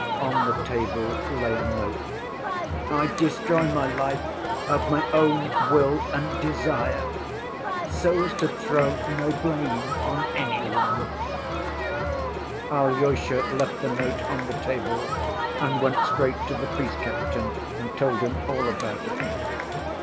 On the table lay a note: "I destroy my life of my own will and desire, so as to throw no blame on any one." Alyosha left the note on the table and went straight to the police captain and told him all about it.